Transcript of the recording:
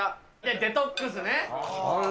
デトックスね。